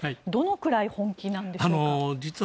どのくらい本気なんでしょうか。